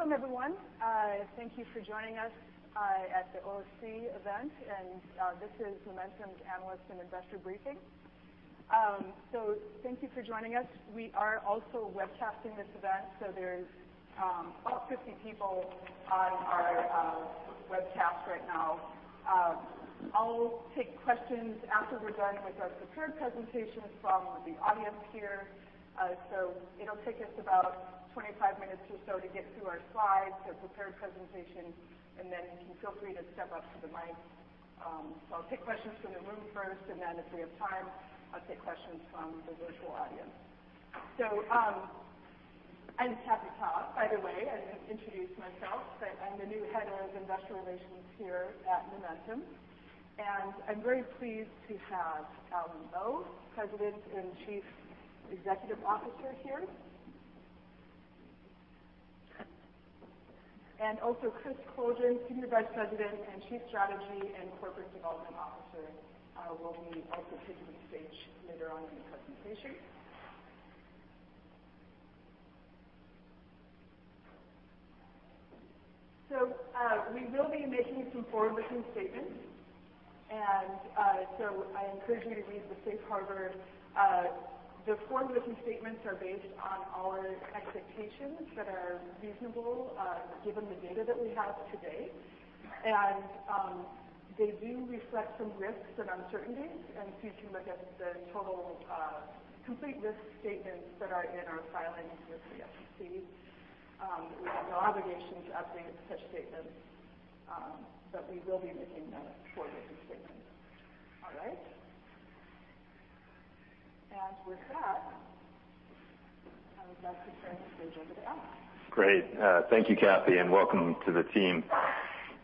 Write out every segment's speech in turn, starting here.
All right. Welcome, everyone. Thank you for joining us at the OFC event, and this is Lumentum's analyst and investor briefing. Thank you for joining us. We are also webcasting this event, so there's about 50 people on our webcast right now. I'll take questions after we're done with our prepared presentations from the audience here. It'll take us about 25 minutes or so to get through our slides, the prepared presentation, and then you can feel free to step up to the mic. I'll take questions from the room first, and then if we have time, I'll take questions from the virtual audience. I'm Kathryn Ta, by the way. I didn't introduce myself, but I'm the new head of investor relations here at Lumentum. I'm very pleased to have Alan Lowe, President and Chief Executive Officer here. Also, Chris Coldren, Senior Vice President and Chief Strategy and Corporate Development Officer, will be also taking the stage later on in the presentation. We will be making some forward-looking statements, and I encourage you to read the safe harbor. The forward-looking statements are based on our expectations that are reasonable, given the data that we have today. They do reflect some risks and uncertainties, and please you look at the total, complete risk statements that are in our filings with the SEC. We have no obligation to update such statements, but we will be making the forward-looking statements. All right. With that, I would like to turn the stage over to Alan. Great. Thank you, Kathryn, and welcome to the team.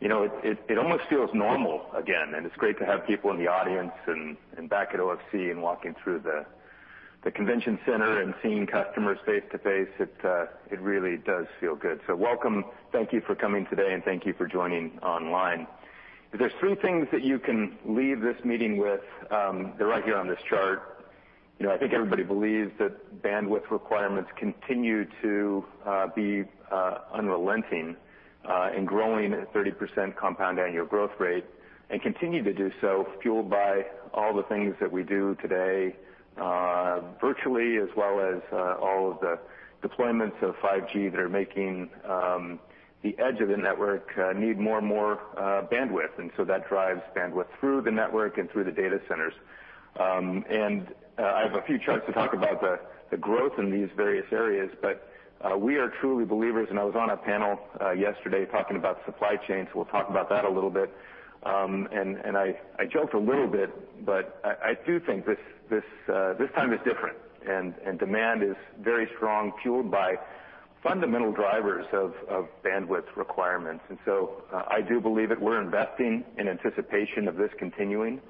You know, it almost feels normal again, and it's great to have people in the audience and back at OFC and walking through the convention center and seeing customers face to face. It really does feel good. Welcome. Thank you for coming today and thank you for joining online. If there's three things that you can leave this meeting with, they're right here on this chart. You know, I think everybody believes that bandwidth requirements continue to be unrelenting and growing at 30% compound annual growth rate and continue to do so fueled by all the things that we do today virtually as well as all of the deployments of 5G that are making the edge of the network need more and more bandwidth. That drives bandwidth through the network and through the data centers. I have a few charts to talk about the growth in these various areas, but we are truly believers, and I was on a panel yesterday talking about supply chains. We'll talk about that a little bit. I joked a little bit, but I do think this time is different. Demand is very strong, fueled by fundamental drivers of bandwidth requirements. I do believe it. We're investing in anticipation of this continuing,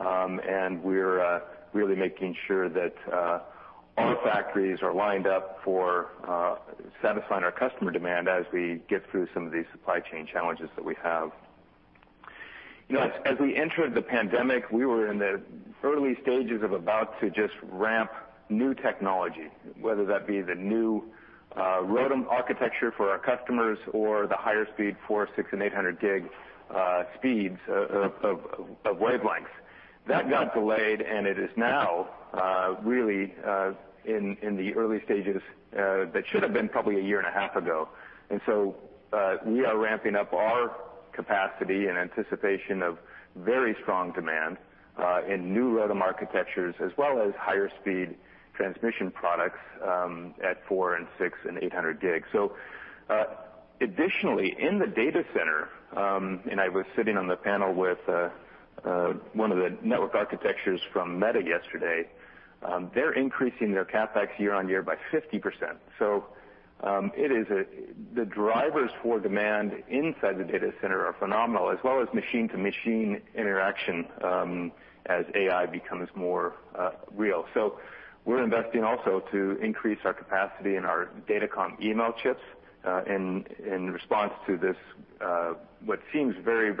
and we're really making sure that our factories are lined up for satisfying our customer demand as we get through some of these supply chain challenges that we have. You know, as we entered the pandemic, we were in the early stages of about to just ramp new technology, whether that be the new ROADM architecture for our customers or the higher speed 400, 600, and 800 gig speeds of wavelength. That got delayed, and it is now really in the early stages that should have been probably a year and a half ago. We are ramping up our capacity in anticipation of very strong demand in new ROADM architectures as well as higher speed transmission products at 400, 600, and 800 gigs. Additionally, in the data center, and I was sitting on the panel with one of the network architects from Meta yesterday. They're increasing their CapEx year-over-year by 50%. The drivers for demand inside the data center are phenomenal, as well as machine-to-machine interaction, as AI becomes more real. We're investing also to increase our capacity in our DataCom EML chips in response to this what seems very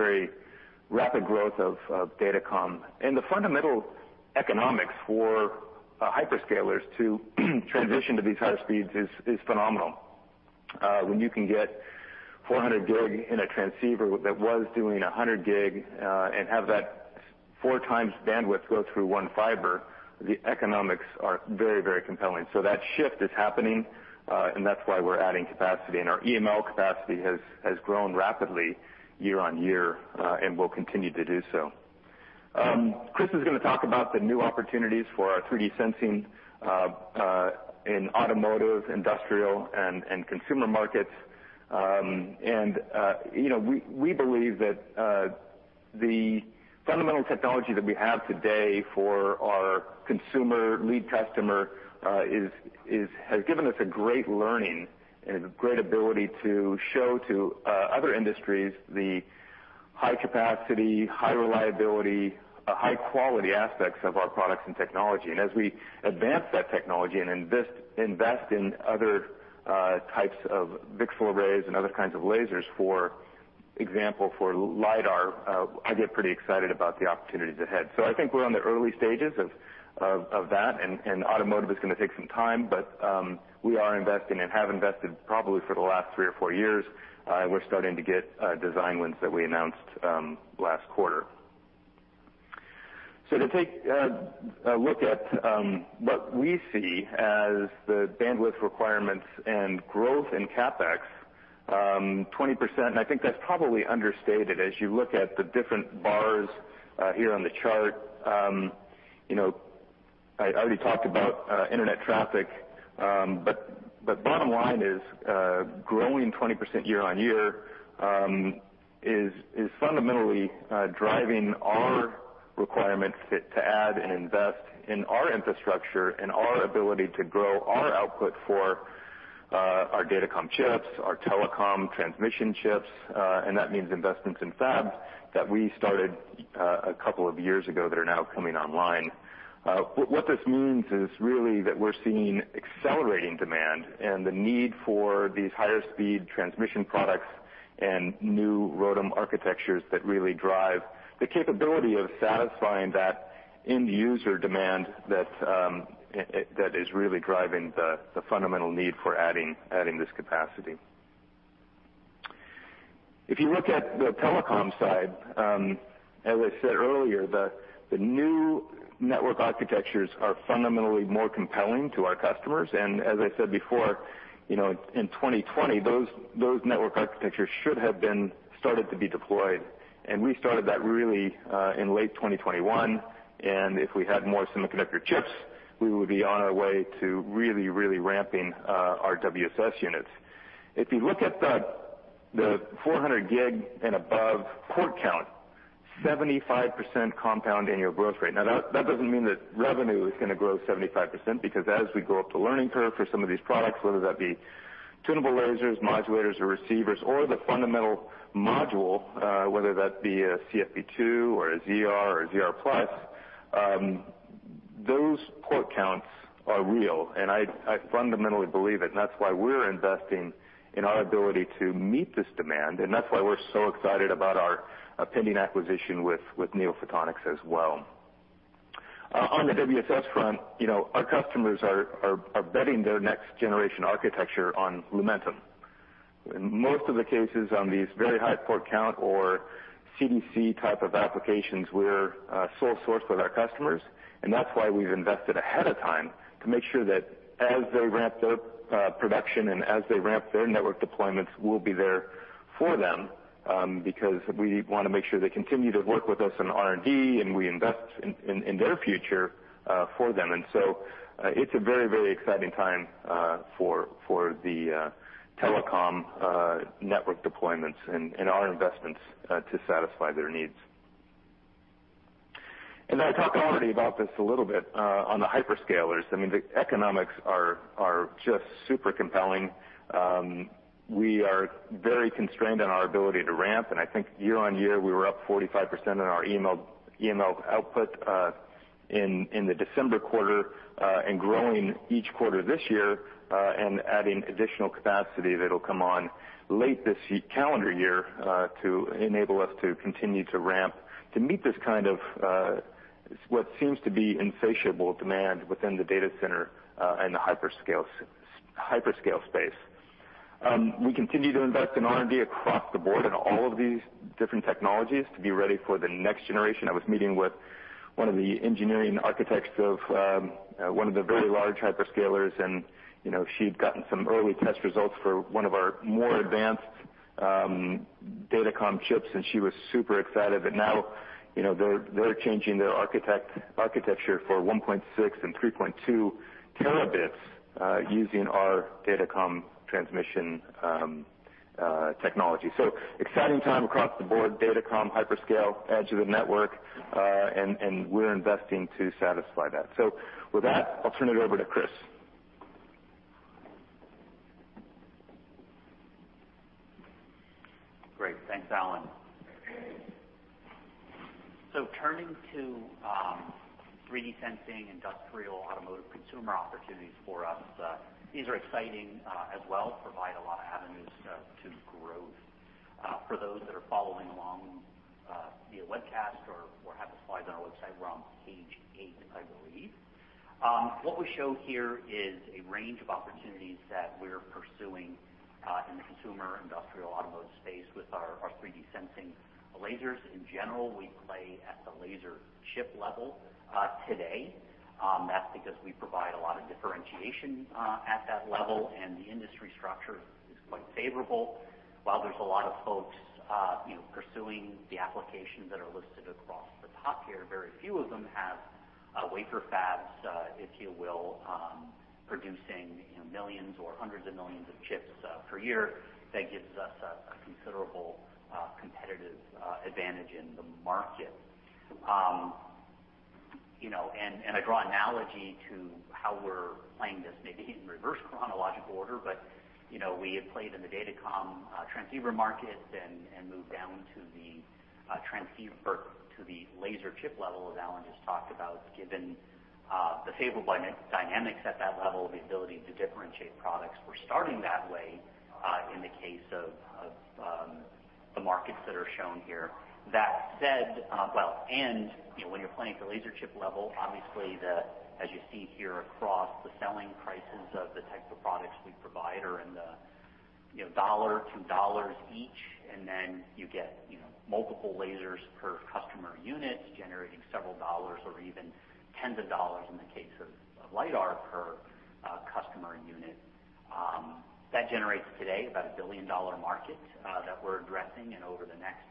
rapid growth of DataCom. The fundamental economics for hyperscalers to transition to these higher speeds is phenomenal. When you can get 400 gig in a transceiver that was doing 100 gig and have that 4x bandwidth go through one fiber, the economics are very, very compelling. That shift is happening, and that's why we're adding capacity. Our EML capacity has grown rapidly year-on-year and will continue to do so. Chris is gonna talk about the new opportunities for our 3D sensing in automotive, industrial, and consumer markets. You know, we believe that the fundamental technology that we have today for our consumer lead customer has given us a great learning and a great ability to show to other industries the high capacity, high reliability, high quality aspects of our products and technology. As we advance that technology and invest in other types of VCSEL arrays and other kinds of lasers, for example, for LiDAR, I get pretty excited about the opportunities ahead. I think we're on the early stages of that, and automotive is gonna take some time, but we are investing and have invested probably for the last three or four years. We're starting to get design wins that we announced last quarter. To take a look at what we see as the bandwidth requirements and growth in CapEx, 20%, and I think that's probably understated as you look at the different bars here on the chart. You know, I already talked about internet traffic, but bottom line is growing 20% year-over-year is fundamentally driving our requirements to add and invest in our infrastructure and our ability to grow our output for our datacom chips, our telecom transmission chips, and that means investments in fabs that we started a couple of years ago that are now coming online. What this means is really that we're seeing accelerating demand and the need for these higher-speed transmission products and new ROADM architectures that really drive the capability of satisfying that end-user demand that is really driving the fundamental need for adding this capacity. If you look at the telecom side, as I said earlier, the new network architectures are fundamentally more compelling to our customers. As I said before, you know, in 2020, those network architectures should have been started to be deployed. We started that really in late 2021. If we had more semiconductor chips, we would be on our way to really ramping our WSS units. If you look at the 400 gig and above port count, 75% compound annual growth rate. Now, that doesn't mean that revenue is gonna grow 75% because as we go up the learning curve for some of these products, whether that be tunable lasers, modulators, or receivers or the fundamental module, whether that be a CFP 2 or a ZR or a ZR+, those port counts are real, and I fundamentally believe it, and that's why we're investing in our ability to meet this demand, and that's why we're so excited about our pending acquisition with NeoPhotonics as well. On the WSS front, you know, our customers are betting their next generation architecture on Lumentum. In most of the cases on these very high port count or CDC type of applications, we're sole source with our customers, and that's why we've invested ahead of time to make sure that as they ramp their production and as they ramp their network deployments, we'll be there for them, because we wanna make sure they continue to work with us on R&D, and we invest in their future for them. It's a very, very exciting time for the telecom network deployments and our investments to satisfy their needs. I talked already about this a little bit on the hyperscalers. I mean, the economics are just super compelling. We are very constrained on our ability to ramp, and I think year-on-year, we were up 45% on our EML output in the December quarter, and growing each quarter this year, and adding additional capacity that'll come on late this calendar year to enable us to continue to ramp to meet this kind of what seems to be insatiable demand within the data center and the hyperscale space. We continue to invest in R&D across the board in all of these different technologies to be ready for the next generation. I was meeting with one of the engineering architects of one of the very large hyperscalers, and you know, she'd gotten some early test results for one of our more advanced datacom chips, and she was super excited that now, you know, they're changing their architecture for 1.6 and 3.2 terabits using our datacom transmission technology. Exciting time across the board, datacom, hyperscale, edge of the network, and we're investing to satisfy that. With that, I'll turn it over to Chris. Great. Thanks, Alan. Turning to 3D sensing, industrial, automotive, consumer opportunities for us, these are exciting as well, provide a lot of avenues to growth. For those that are following along via webcast or have the slides on our website, we're on page eight, I believe. What we show here is a range of opportunities that we're pursuing in the consumer, industrial, automotive space with our 3D sensing lasers. In general, we play at the laser chip level today. That's because we provide a lot of differentiation at that level, and the industry structure is quite favorable. While there's a lot of folks, you know, pursuing the applications that are listed across the top here, very few of them have wafer fabs, if you will, producing, you know, millions or hundreds of millions of chips per year. That gives us a considerable competitive advantage in the market. You know, I draw analogy to how we're playing this maybe in reverse chronological order. You know, we have played in the datacom transceiver market and moved down to the transceiver to the laser chip level, as Alan just talked about, given the favorable dynamics at that level, the ability to differentiate products. We're starting that way, in the case of the markets that are shown here. That said, you know, when you're playing at the laser chip level, obviously, as you see here across the selling prices of the types of products we provide are in the, you know, dollar to dollars each, and then you get, you know, multiple lasers per customer unit generating several dollars or even tens of dollars in the case of LiDAR per customer unit. That generates today about a billion-dollar market that we're addressing, and over the next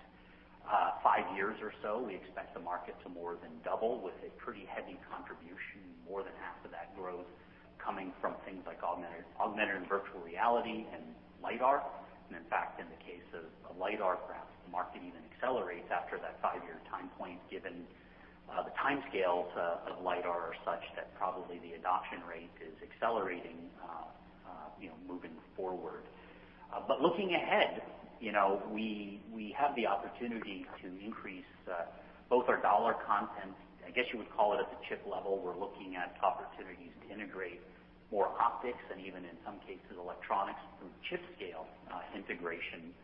five years or so, we expect the market to more than double with a pretty heavy contribution, more than half of that growth coming from things like augmented and virtual reality and LiDAR. In fact, in the case of a LiDAR, perhaps the market even accelerates after that five-year time point, given the timescales of LiDAR are such that probably the adoption rate is accelerating, you know, moving forward. Looking ahead, you know, we have the opportunity to increase both our dollar content, I guess you would call it at the chip level, we're looking at opportunities to integrate more optics and even in some cases, electronics through chip-scale integration,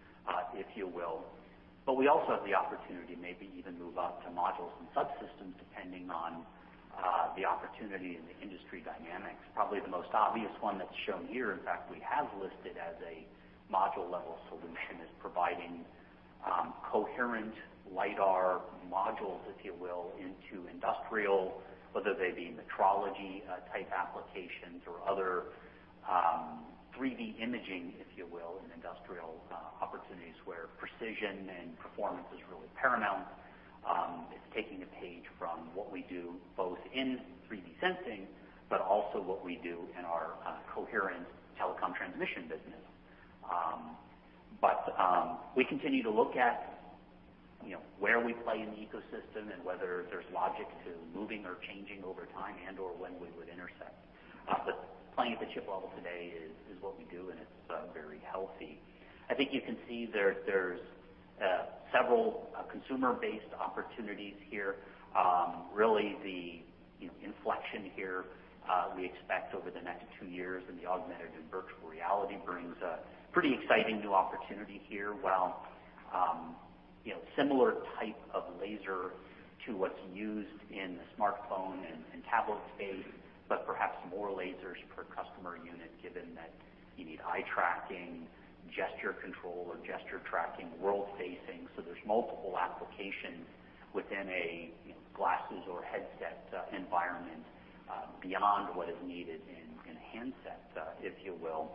if you will. We also have the opportunity to maybe even move up to modules and subsystems, depending on the opportunity and the industry dynamics. Probably the most obvious one that's shown here, in fact, we have listed as a module-level solution, is providing coherent LiDAR modules, if you will, into industrial, whether they be metrology type applications or other, 3D imaging, if you will, in industrial opportunities where precision and performance is really paramount. It's taking a page from what we do both in 3D sensing, but also what we do in our coherent telecom transmission business. We continue to look at, you know, where we play in the ecosystem and whether there's logic to moving or changing over time and/or when we would intersect. Playing at the chip level today is what we do, and it's very healthy. I think you can see there's several consumer-based opportunities here. Really the, you know, inflection here, we expect over the next two years in the augmented and virtual reality brings a pretty exciting new opportunity here. While, you know, similar type of laser to what's used in the smartphone and tablet space, but perhaps more lasers per customer unit, given that you need eye tracking, gesture control or gesture tracking, world-facing. There's multiple applications within a, you know, glasses or headset environment, beyond what is needed in a handset, if you will.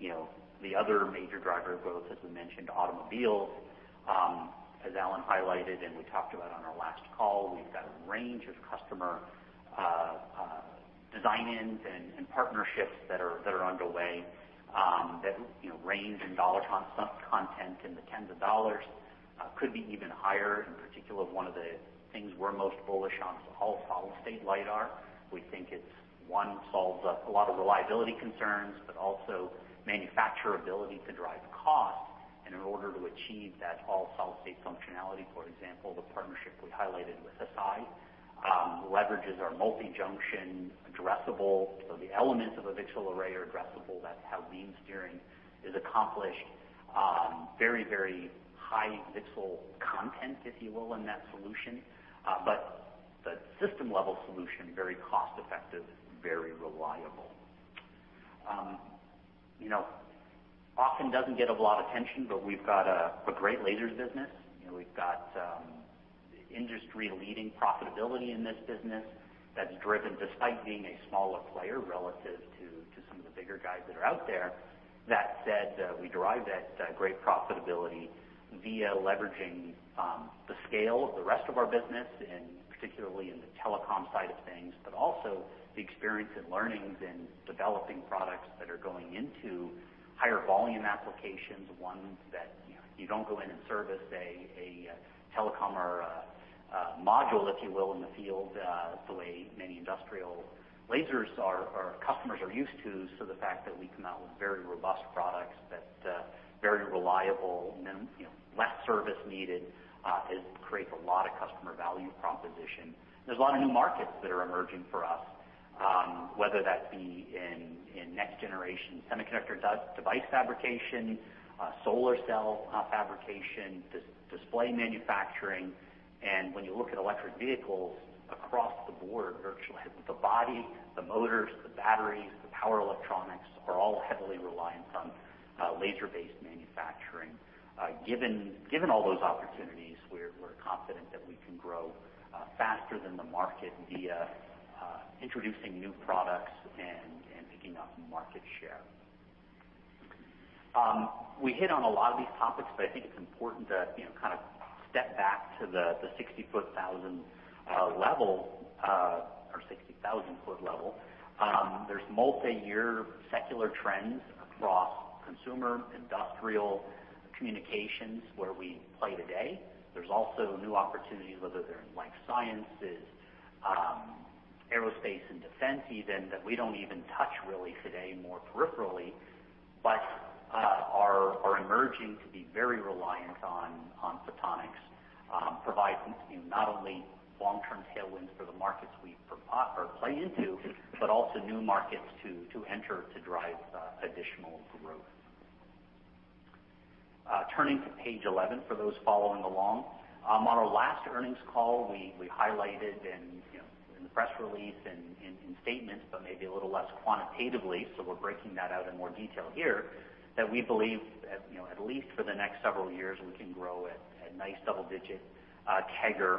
you know, the other major driver of growth, as we mentioned, automobiles, as Alan highlighted and we talked about on our last call, we've got a range of customer design-ins and partnerships that are underway, that you know, range in dollar content in the tens of dollars, could be even higher. In particular, one of the things we're most bullish on is the all solid state LiDAR. We think it's one, solves a lot of reliability concerns, but also manufacturability to drive cost. In order to achieve that all solid-state functionality, for example, the partnership we highlighted with SI leverages our multi-junction addressable, so the elements of a VCSEL array are addressable. That's how beam steering is accomplished. Very high VCSEL content, if you will, in that solution. The system-level solution, very cost-effective, very reliable, you know, often doesn't get a lot of attention, but we've got a great lasers business. You know, we've got industry-leading profitability in this business that's driven despite being a smaller player relative to some of the bigger guys that are out there. That said, we derive that great profitability via leveraging the scale of the rest of our business, and particularly in the telecom side of things, but also the experience and learnings in developing products that are going into higher volume applications, ones that you know you don't go in and service a telecom or a module, if you will, in the field, the way many industrial lasers our customers are used to. The fact that we come out with very robust products that very reliable, you know, less service needed, it creates a lot of customer value proposition. There's a lot of new markets that are emerging for us, whether that be in next-generation semiconductor device fabrication, solar cell fabrication, display manufacturing. When you look at electric vehicles across the board, virtually the body, the motors, the batteries, the power electronics are all heavily reliant on laser-based manufacturing. Given all those opportunities, we're confident that we can grow faster than the market via introducing new products and picking up market share. We hit on a lot of these topics, but I think it's important to, you know, kind of step back to the 60,000 foot level. There's multi-year secular trends across consumer, industrial communications where we play today. There's also new opportunities, whether they're in life sciences, aerospace and defense even that we don't even touch really today more peripherally, but are emerging to be very reliant on photonics, providing, you know, not only long-term tailwinds for the markets we play into, but also new markets to enter to drive additional growth. Turning to page 11 for those following along. On our last earnings call, we highlighted and, you know, in the press release and in statements, but maybe a little less quantitatively, so we're breaking that out in more detail here, that we believe, you know, at least for the next several years, we can grow at nice double-digit CAGR,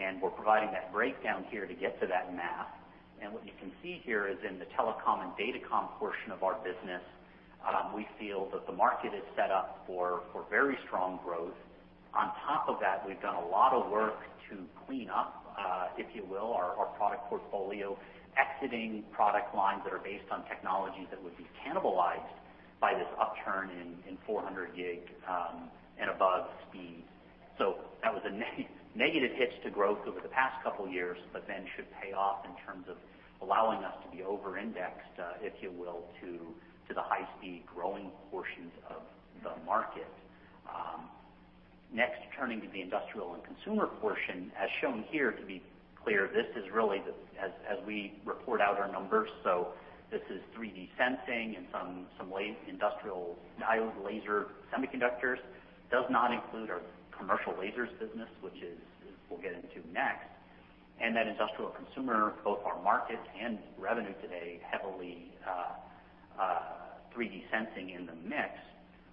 and we're providing that breakdown here to get to that math. What you can see here is in the telecom and datacom portion of our business, we feel that the market is set up for very strong growth. On top of that, we've done a lot of work to clean up, if you will, our product portfolio, exiting product lines that are based on technologies that would be cannibalized by this upturn in 400 gig and above speeds. That was a negative hits to growth over the past couple years, but then should pay off in terms of allowing us to be over indexed, if you will, to the high-speed growing portions of the market. Next, turning to the industrial and consumer portion, as shown here, to be clear, this is really as we report out our numbers, this is 3D sensing and some industrial diode laser semiconductors, does not include our commercial lasers business, which we'll get into next. That industrial consumer, both our markets and revenue today heavily 3D sensing in the mix.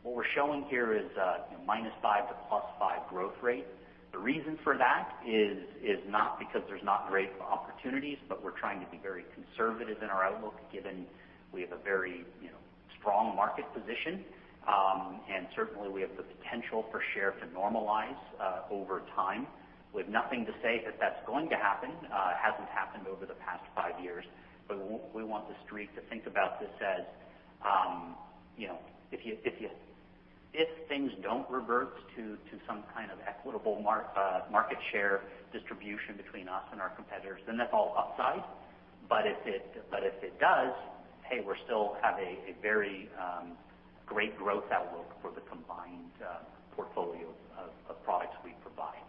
What we're showing here is, you know, -5% to +5% growth rate. The reason for that is not because there's not great opportunities, but we're trying to be very conservative in our outlook, given we have a very, you know, strong market position, and certainly we have the potential for share to normalize, over time. We have nothing to say that that's going to happen, hasn't happened over the past five years. But we want The Street to think about this as, you know, if things don't revert to some kind of equitable market share distribution between us and our competitors, then that's all upside. But if it does, hey, we're still have a very great growth outlook for the combined portfolio of products we provide.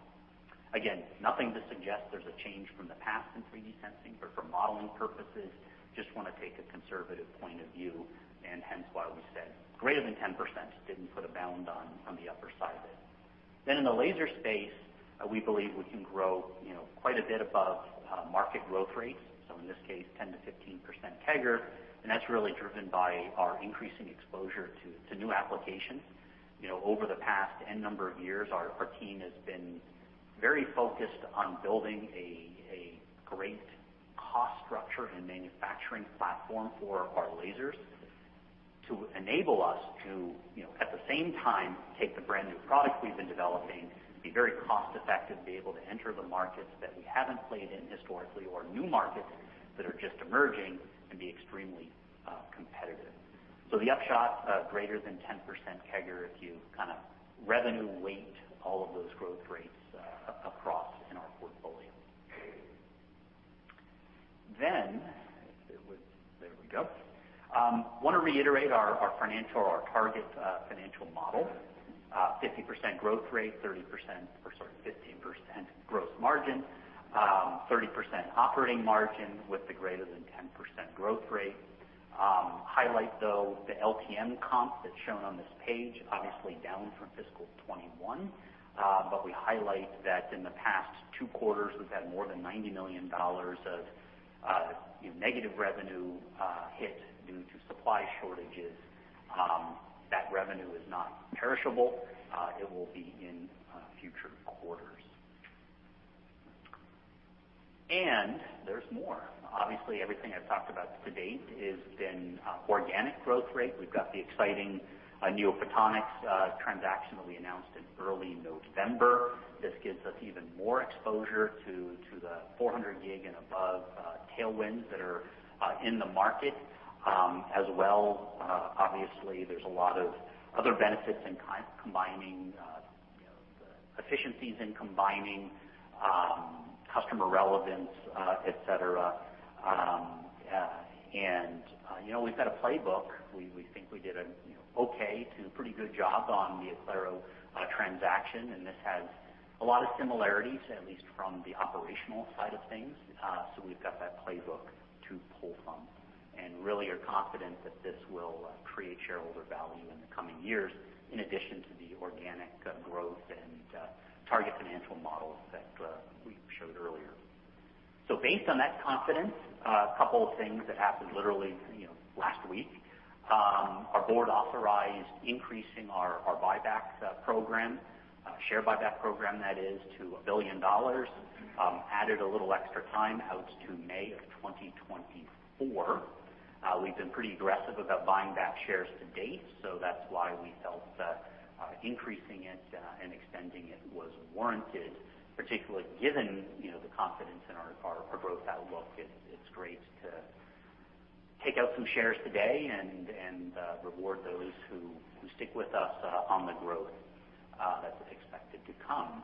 Again, nothing to suggest there's a change from the past in 3D sensing, but for modeling purposes, just wanna take a conservative point of view and hence why we said greater than 10%, didn't put a bound on the upper side of it. Then in the laser space, we believe we can grow, you know, quite a bit above market growth rates, so in this case, 10%-15% CAGR. That's really driven by our increasing exposure to new applications. You know, over the past number of years, our team has been very focused on building a great cost structure and manufacturing platform for our lasers to enable us to, you know, at the same time, take the brand-new product we've been developing, be very cost effective, be able to enter the markets that we haven't played in historically or new markets that are just emerging and be extremely competitive. The upshot, greater than 10% CAGR, if you kind of revenue weight all of those growth rates across our portfolio. Wanna reiterate our target financial model. 50% growth rate, 30% or sorry, 15% gross margin, 30% operating margin with the greater than 10% growth rate. Highlight though, the LTM comp that's shown on this page, obviously down from fiscal 2021, but we highlight that in the past two quarters, we've had more than $90 million of, you know, negative revenue hit due to supply shortages. That revenue is not perishable, it will be in future quarters. There's more. Obviously, everything I've talked about to date has been organic growth rate. We've got the exciting NeoPhotonics transaction that we announced in early November. This gives us even more exposure to the 400 gig and above tailwinds that are in the market. As well, obviously, there's a lot of other benefits in combining, you know, the efficiencies in combining, customer relevance, et cetera. You know, we've got a playbook. We think we did a, you know, okay to pretty good job on the Oclaro transaction, and this has a lot of similarities, at least from the operational side of things, so we've got that playbook to pull from, and really are confident that this will create shareholder value in the coming years, in addition to the organic growth and target financial models that we showed earlier. Based on that confidence, a couple of things that happened literally, you know, last week, our board authorized increasing our buyback program, share buyback program that is, to $1 billion, added a little extra time out to May of 2024. We've been pretty aggressive about buying back shares to date, so that's why we felt that increasing it and extending it was warranted, particularly given the confidence in our growth outlook. It's great to take out some shares today and reward those who stick with us on the growth that's expected to come.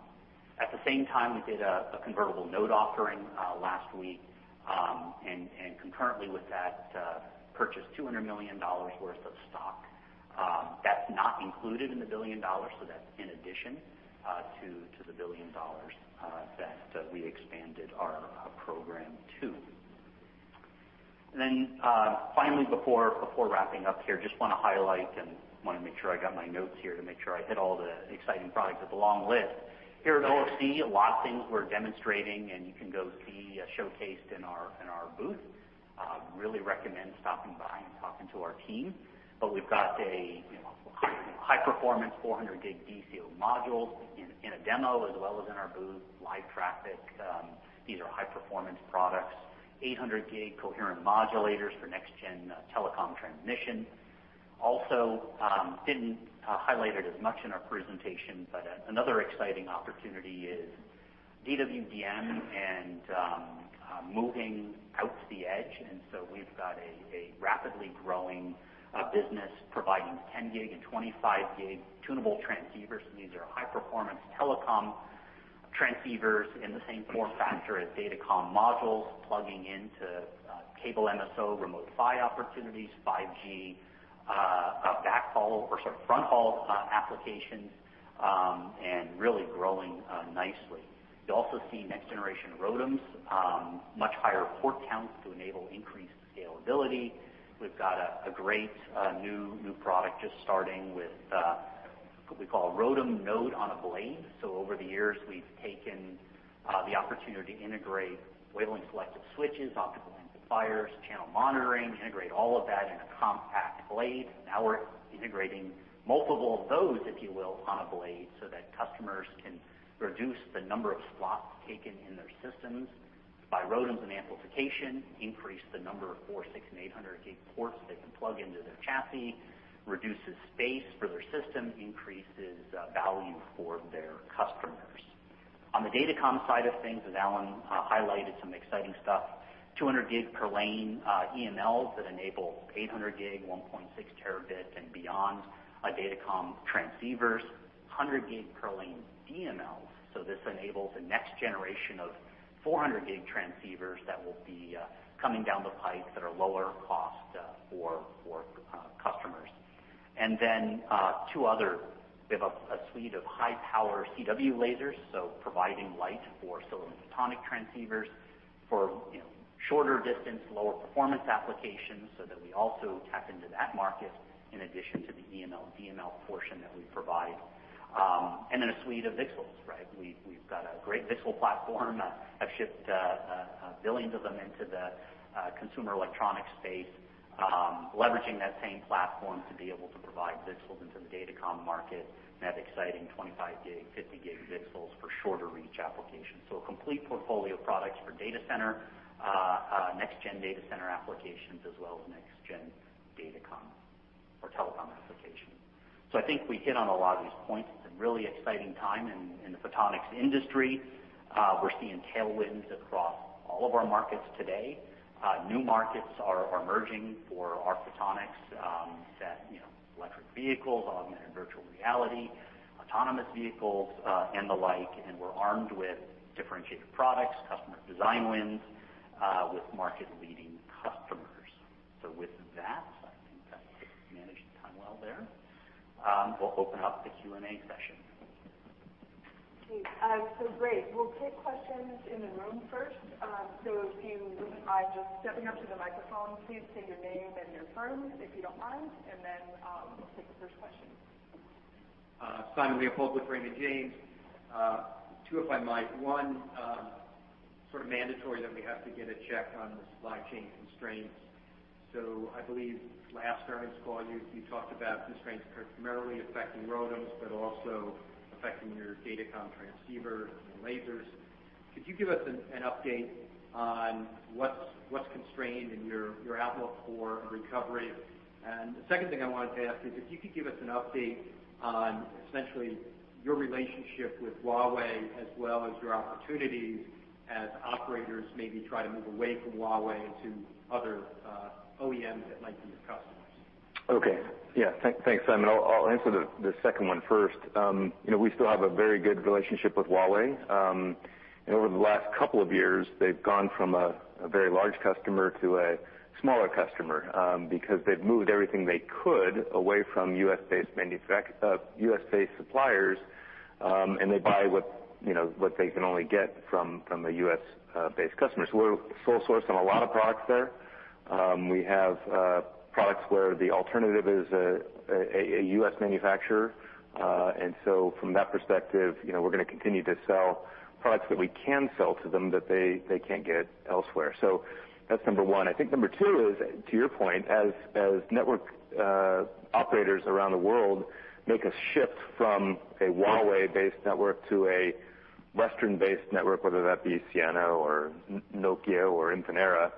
At the same time, we did a convertible note offering last week and concurrently with that purchased $200 million worth of stock. That's not included in the $1 billion so that's in addition to the $1 billion that we expanded our program to. Finally, before wrapping up here, just wanna highlight and wanna make sure I got my notes here to make sure I hit all the exciting products. It's a long list. Here at OFC, a lot of things we're demonstrating, and you can go see showcased in our booth. I really recommend stopping by and talking to our team. We've got a high-performance 400 gig DCO module in a demo as well as in our booth, live traffic. These are high-performance products, 800 gig coherent modulators for next-gen telecom transmission. Also didn't highlight it as much in our presentation, but another exciting opportunity is DWDM and moving out to the edge. We've got a rapidly growing business providing 10 gig and 25 gig tunable transceivers. These are high-performance telecom transceivers in the same form factor as Datacom modules plugging into cable MSO Remote PHY opportunities, 5G backhaul or sort of front haul applications, and really growing nicely. You also see next-generation ROADMs, much higher port counts to enable increased scalability. We've got a great new product just starting with what we call ROADM node on a blade. Over the years, we've taken the opportunity to integrate wavelength selective switches, optical amplifiers, channel monitoring, integrate all of that in a compact blade. Now we're integrating multiple of those, if you will, on a blade so that customers can reduce the number of slots taken in their systems by ROADMs and amplification, increase the number of 400, 600, and 800 gig ports they can plug into their chassis, reduces space for their system, increases value for their customers. On the Datacom side of things, as Alan highlighted some exciting stuff, 200 gig per lane EMLs that enable 800 gig, 1.6 terabit, and beyond Datacom transceivers, 100 gig per lane DMLs. This enables the next generation of 400 gig transceivers that will be coming down the pipe that are lower cost for customers. We have a suite of high-power CW lasers, so providing light for silicon photonic transceivers for shorter distance, lower performance applications so that we also tap into that market in addition to the EML, DML portion that we provide. A suite of VCSELs, right. We've got a great VCSEL platform. I've shipped billions of them into the consumer electronics space, leveraging that same platform to be able to provide VCSELs into the Datacom market and have exciting 25 gig, 50 gig VCSELs for shorter reach applications. A complete portfolio of products for data center, next-gen data center applications, as well as next-gen Datacom or telecom applications. I think we hit on a lot of these points. It's a really exciting time in the photonics industry. We're seeing tailwinds across all of our markets today. New markets are emerging for our photonics that electric vehicles, augmented virtual reality, autonomous vehicles and the like. We're armed with differentiated products, customer design wins with market-leading customers. With that, I think I managed the time well there. We'll open up the Q&A session. Great. We'll take questions in the room first. If you wouldn't mind just stepping up to the microphone, please say your name and your firm, if you don't mind. Then we'll take the first question. Simon Leopold with Raymond James. Two, if I might. One sort of mandatory that we have to get a check on the supply chain constraints. I believe last earnings call you talked about constraints primarily affecting ROADMs, but also affecting your Datacom transceiver and lasers. Could you give us an update on what's constrained and your outlook for recovery? The second thing I wanted to ask is if you could give us an update on essentially your relationship with Huawei as well as your opportunities as operators maybe try to move away from Huawei to other OEMs that might be your customers. Okay. Yeah. Thanks, Simon. I'll answer the second one first. We still have a very good relationship with Huawei. Over the last couple of years, they've gone from a very large customer to a smaller customer because they've moved everything they could away from U.S.-based suppliers, and they buy what they can only get from a U.S.-based customer. We're sole source on a lot of products there. We have products where the alternative is a U.S. manufacturer. From that perspective, we're going to continue to sell products that we can sell to them that they can't get elsewhere. That's number one. I think number two is, to your point, as network operators around the world make a shift from a Huawei-based network to a Western-based network, whether that be Ciena or Nokia or Infinera,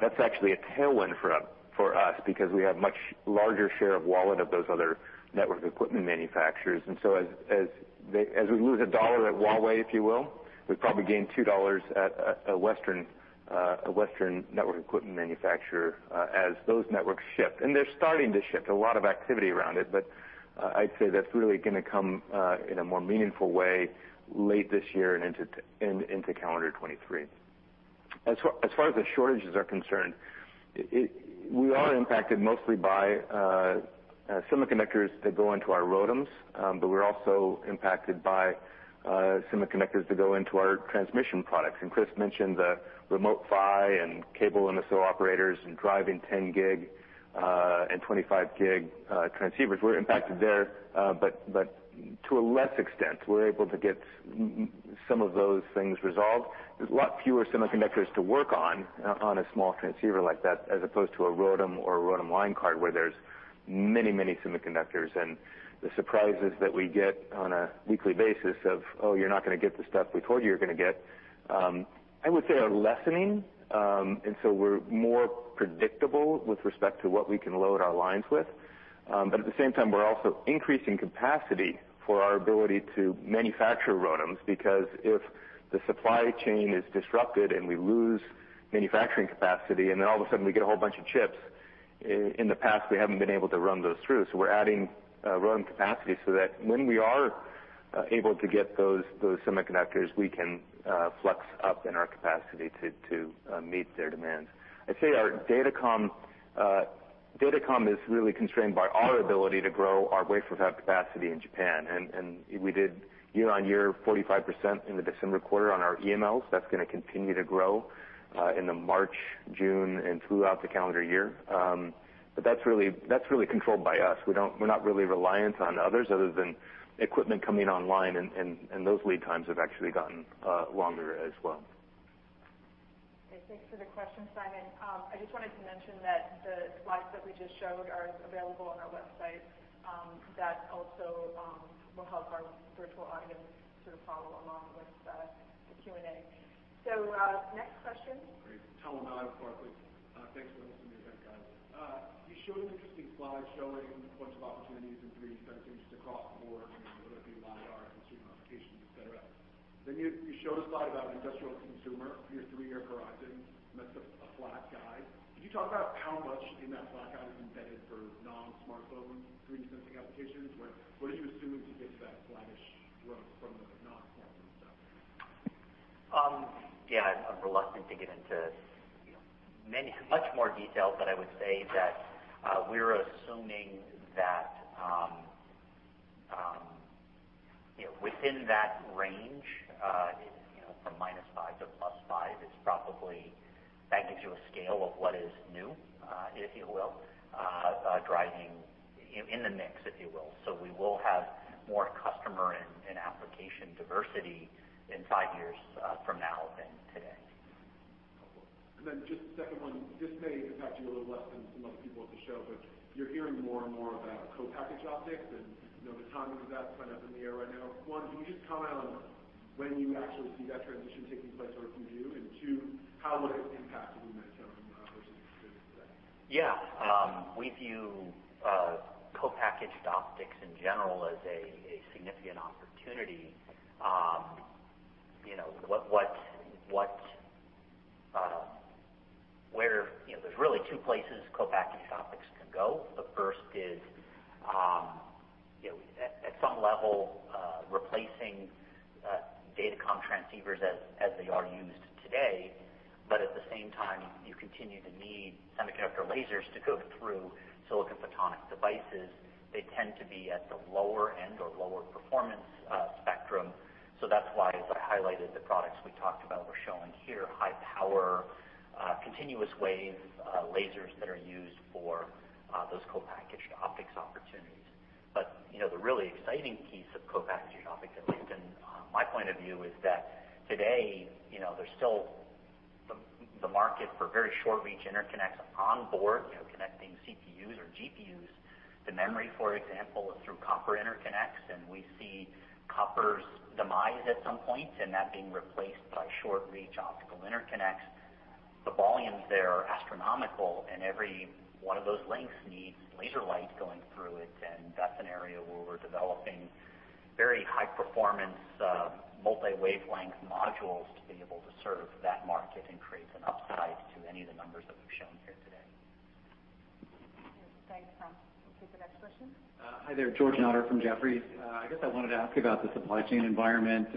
that's actually a tailwind for us because we have much larger share of wallet of those other network equipment manufacturers. As we lose a dollar at Huawei, if you will, we probably gain two dollars at a Western network equipment manufacturer, as those networks shift. They're starting to shift, a lot of activity around it. I'd say that's really gonna come in a more meaningful way late this year and into calendar 2023. As far as the shortages are concerned, we are impacted mostly by semiconductors that go into our ROADMs, but we're also impacted by semiconductors that go into our transmission products. Chris mentioned the Remote PHY and cable MSO operators and driving 10 gig and 25 gig transceivers. We're impacted there, but to a less extent. We're able to get some of those things resolved. There's a lot fewer semiconductors to work on on a small transceiver like that as opposed to a ROADM or a ROADM line card where there's many, many semiconductors. The surprises that we get on a weekly basis of, "Oh, you're not gonna get the stuff we told you you're gonna get," I would say are lessening. So we're more predictable with respect to what we can load our lines with. At the same time, we're also increasing capacity for our ability to manufacture ROADMs because if the supply chain is disrupted, and we lose manufacturing capacity, and then all of a sudden we get a whole bunch of chips, in the past, we haven't been able to run those through. We're adding ROADM capacity so that when we are able to get those semiconductors, we can flex up in our capacity to meet their demands. I'd say our datacom is really constrained by our ability to grow our wafer fab capacity in Japan. We did year-on-year 45% in the December quarter on our EMLs. That's gonna continue to grow in the March, June, and throughout the calendar year. That's really controlled by us. We're not really reliant on others other than equipment coming online, and those lead times have actually gotten longer as well. Okay. Thanks for the question, Simon. I just wanted to mention that the slides that we just showed are available on our website, that also will help our virtual audience sort of follow along with the Q&A. Next question. Great. Tom O'Malley with Barclays. Thanks for hosting the event, guys. You showed an interesting slide showing points of opportunities in three different things across the board, you know, whether it be LiDAR, consumer applications, et cetera. You showed a slide about industrial consumer for your three-year horizon, and that's a flat guide. Could you talk about how much in that flat guide is embedded for non-smartphone 3D sensing applications? What are you assuming to get to that flattish growth from the non-smartphone stuff? Yeah, I'm reluctant to get into, you know, much more detail, but I would say that we're assuming that, you know, within that range, you know, from -5 to +5, it's probably that gives you a scale of what is new, if you will, driving in the mix, if you will. We will have more customer and application diversity in five years from now than today. Cool. Just a second one, this may impact you a little less than some other people at the show, but you're hearing more and more about co-packaged optics, and, you know, the timing of that is kind of up in the air right now. One, can you just comment on when you actually see that transition taking place or if you do? Two, how would it impact the mid-term versus today? Yeah. We view co-packaged optics in general as a significant opportunity. You know, what, where. You know, there's really two places co-packaged optics can go. The first is, you know, at some level, replacing datacom transceivers as they are used today. At the same time, you continue to need semiconductor lasers to go through silicon photonic devices. They tend to be at the lower end or lower performance spectrum. That's why, as I highlighted, the products we talked about, we're showing here high-power continuous wave lasers that are used for those co-packaged optics opportunities. You know, the really exciting piece of co-packaged optics, at least in my point of view, is that today, you know, there's still the market for very short reach interconnects on board, you know, connecting CPUs or GPUs to memory, for example, through copper interconnects. We see copper's demise at some point, and that being replaced by short reach optical interconnects. The volumes there are astronomical, and every one of those links needs laser light going through it, and that's an area where we're developing very high-performance multi-wavelength modules to be able to serve that market and creates an upside to any of the numbers that we've shown here today. Thanks, Tom. We'll take the next question. Hi there, George Notter from Jefferies. I guess I wanted to ask about the supply chain environment.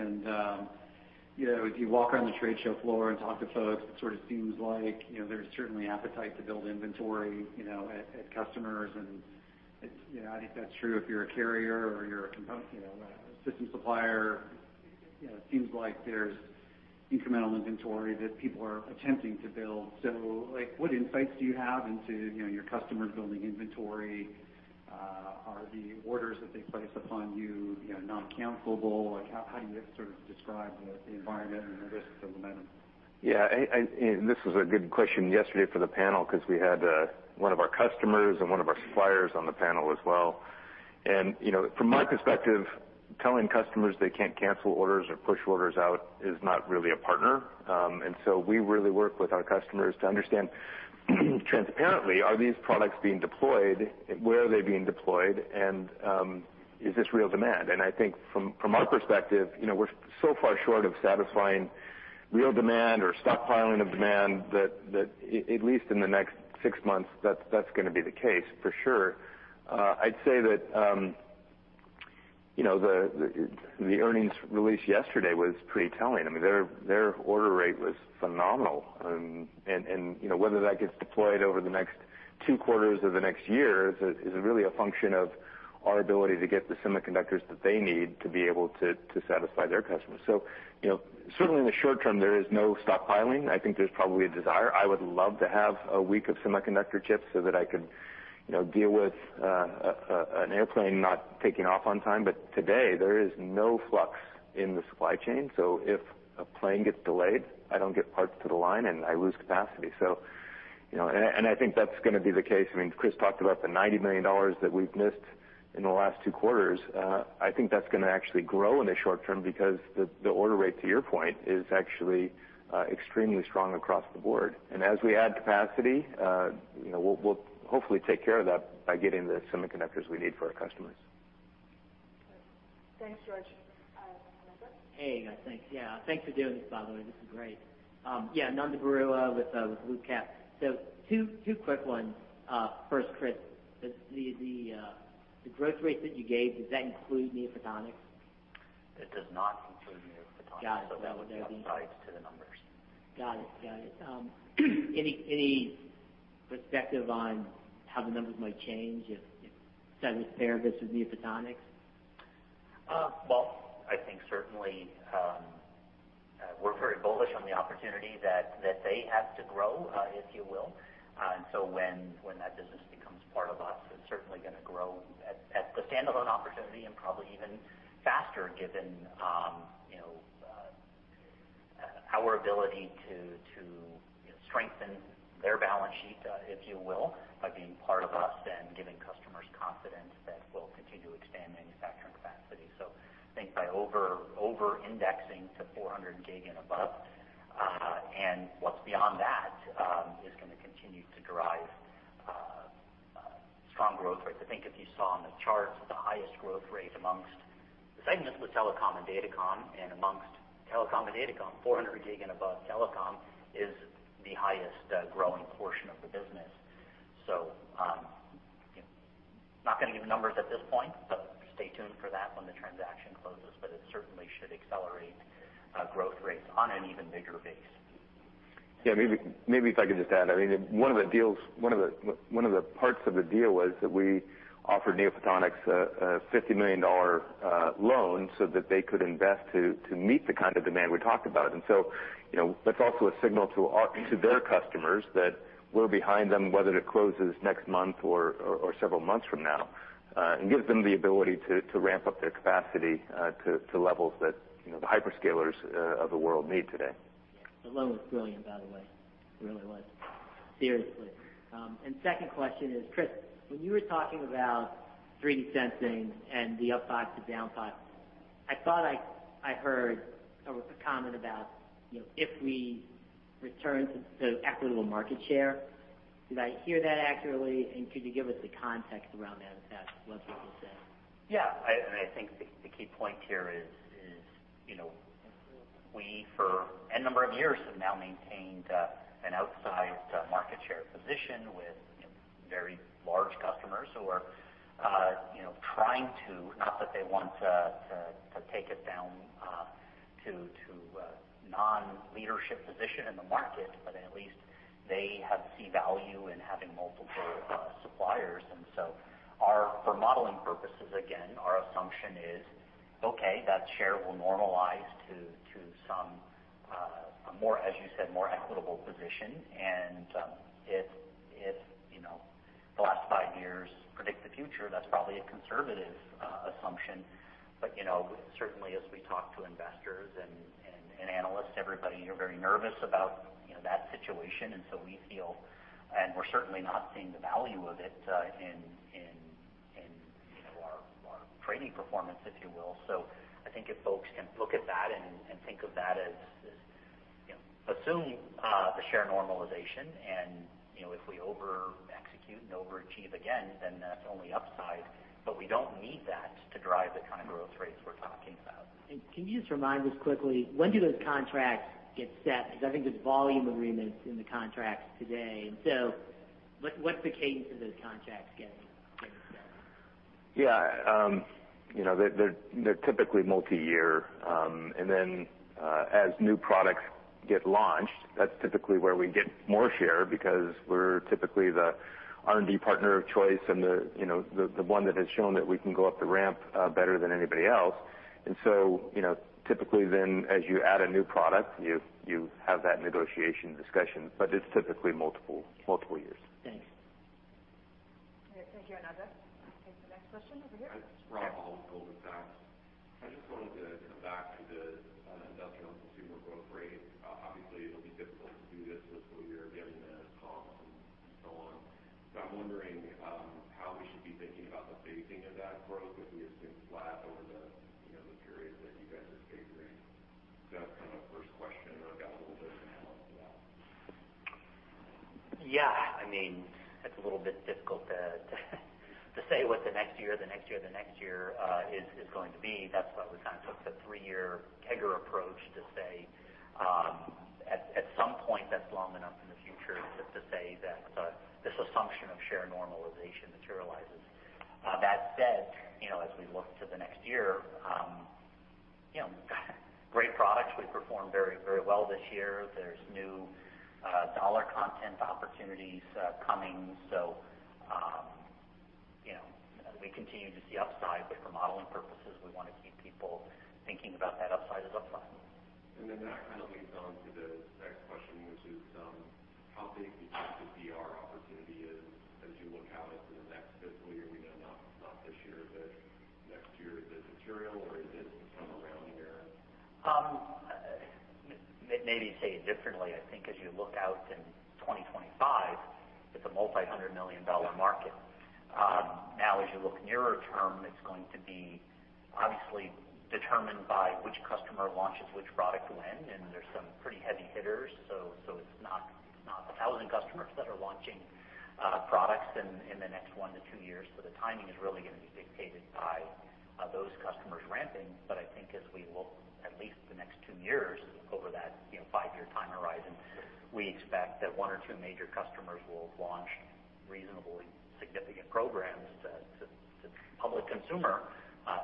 You know, if you walk around the trade show floor and talk to folks, it sort of seems like, you know, there's certainly appetite to build inventory, you know, at customers. It's, you know, I think that's true if you're a carrier or you're a system supplier. You know, it seems like there's incremental inventory that people are attempting to build. Like, what insights do you have into, you know, your customers building inventory? Are the orders that they place upon you know, non-cancellable? Like, how do you sort of describe the environment and the risks to Lumentum? Yeah, this was a good question yesterday for the panel because we had one of our customers and one of our suppliers on the panel as well. You know, from my perspective, telling customers they can't cancel orders or push orders out is not really a partner. We really work with our customers to understand, transparently, are these products being deployed, where are they being deployed, and is this real demand? I think from our perspective, you know, we're so far short of satisfying real demand or stockpiling of demand that at least in the next six months, that's gonna be the case for sure. I'd say that, you know, the earnings release yesterday was pretty telling. I mean, their order rate was phenomenal. You know, whether that gets deployed over the next two quarters or the next year is really a function of our ability to get the semiconductors that they need to be able to satisfy their customers. You know, certainly in the short term, there is no stockpiling. I think there's probably a desire. I would love to have a week of semiconductor chips so that I could, you know, deal with an airplane not taking off on time. Today, there is no flux in the supply chain. If a plane gets delayed, I don't get parts to the line, and I lose capacity. You know, I think that's gonna be the case. I mean, Chris talked about the $90 million that we've missed in the last two quarters. I think that's gonna actually grow in the short term because the order rate, to your point, is actually extremely strong across the board. As we add capacity, you know, we'll hopefully take care of that by getting the semiconductors we need for our customers. Thanks, George. Hey, guys. Thanks. Yeah, thanks for doing this, by the way. This is great. Yeah, Ananda Baruah with Brean Capital. Two quick ones. First, Chris, the growth rates that you gave, does that include NeoPhotonics? It does not include NeoPhotonics. Got it. That would be upside to the numbers. Got it. Any perspective on how the numbers might change if segment fair versus NeoPhotonics? Well, I think certainly, we're very bullish on the opportunity that they have to grow, if you will. When that business becomes part of us, it's certainly gonna grow at the standalone opportunity and probably even faster given you know, our ability to you know, strengthen their balance sheet, if you will, by being part of us and giving customers confidence that we'll continue to expand manufacturing capacity. I think by over-indexing to 400 gig and above, and what's beyond that, is gonna continue to drive strong growth rates. I think if you saw on the charts, the highest growth rate among the segments was telecom and datacom, and among telecom and datacom, 400 gig and above telecom is the highest growing portion of the business. not gonna give numbers at this point, but stay tuned for that when the transaction closes, but it certainly should accelerate growth rates on an even bigger base. Yeah, maybe if I could just add, I mean, one of the parts of the deal was that we offered NeoPhotonics a $50 million loan so that they could invest to meet the kind of demand we talked about. You know, that's also a signal to their customers that we're behind them, whether it closes next month or several months from now, and gives them the ability to ramp up their capacity to levels that, you know, the hyperscalers of the world need today. The loan was brilliant, by the way. It really was. Seriously. Second question is, Chris, when you were talking about 3D sensing and the up pot to down pot, I thought I heard a comment about, you know, if we return to the equitable market share. Did I hear that accurately? And could you give us the context around that, if that's what you just said? Yeah. I think the key point here is, you know, we for a number of years have now maintained an outsized market share position with, you know, very large customers who are, you know, trying to, not that they want to take it down to a non-leadership position in the market, but at least they have seen value in having multiple suppliers. Our for-modeling purposes, again, our assumption is, okay, that share will normalize to some more, as you said, more equitable position. If, you know, the last five years predict the future, that's probably a conservative assumption. You know, certainly as we talk to investors and analysts, everybody, you're very nervous about, you know, that situation. We feel, and we're certainly not seeing the value of it in, you know, our trading performance, if you will. I think if folks can look at that and think of that as, you know, assume the share normalization and, you know, if we over-execute and overachieve again, then that's only upside. We don't need that to drive the kind of growth rates we're talking about. Can you just remind us quickly, when do those contracts get set? Because I think there's volume agreements in the contracts today. What, what's the cadence of those contracts getting set? Yeah, you know, they're typically multi-year. As new products get launched, that's typically where we get more share because we're typically the R&D partner of choice and the, you know, the one that has shown that we can go up the ramp better than anybody else. You know, typically then as you add a new product, you have that negotiation discussion, but it's typically multiple years. Thanks. Thank you, Ananda. I'll take the next question over here. Rod Hall with Goldman Sachs. I just wanted to go back to the industrial consumer growth rate. Obviously, it'll be difficult to do this fiscal year given the comps and so on. I'm wondering how we should be thinking about the phasing of that growth if we assume flat over the, you know, the period that you guys are tapering. Is that kind of first question or got a little bit of analysis on that? Yeah. I mean, it's a little bit difficult to say what the next year is going to be. That's why we kind of took the three-year CAGR approach to say, at some point, that's long enough in the future to say that this assumption of share normalization materializes. That said, you know, as we look to the next year, you know, great products. We performed very well this year. There's new dollar content opportunities coming. So, you know, we continue to see upside, but for modeling purposes, we wanna keep people thinking about that upside as upside. That kind of leads on to the next question, which is, how big do you think the AR opportunity is as you look out into the next fiscal year? We know not this year, but next year. Is it material or is it kind of rounding error? Maybe say it differently. I think as you look out in 2025, it's a $ multi-hundred million market. Now as you look nearer term, it's going to be obviously determined by which customer launches which product when, and there's some pretty heavy hitters. So it's not a thousand customers that are launching products in the next one to two years. So the timing is really gonna be dictated by those customers ramping. But I think as we look at least the next two years over that, you know, five-year time horizon. Sure. We expect that one or two major customers will launch reasonably significant programs to public consumer,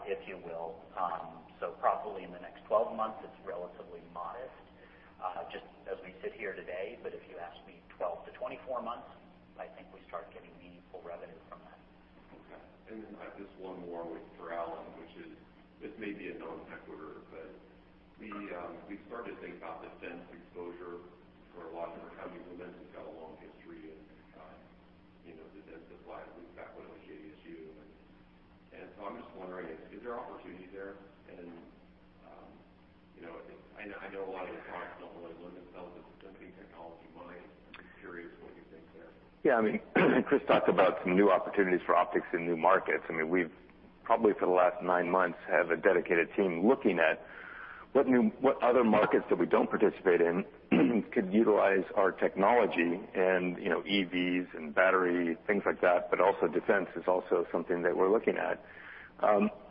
if you will. Probably in the next 12 months, it's relatively modest, just as we sit here today. If you ask me 12-24 months, I think we start getting meaningful revenue from that. Okay. Then I have just one more with, for Alan, which is, this may be a non-sequitur, but we started to think about defense exposure for a lot of different companies. Lumentum has got a long history in, you know, defense supply. We've got one with JDSU. So, I'm just wondering, is there opportunity there? You know, I know a lot of your products don't really lend themselves, but some of you are technology minded. I'm curious what you think there. Yeah. I mean, Chris talked about some new opportunities for optics in new markets. I mean, we've probably for the last nine months, have a dedicated team looking at what other markets that we don't participate in could utilize our technology and, you know, EVs and battery, things like that. Also, defense is also something that we're looking at.